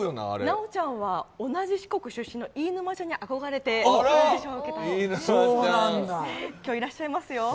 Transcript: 奈央ちゃんは同じ四国出身の飯沼ちゃんに憧れてオーディションを受けたんですよね、今日、いらっしゃいますよ。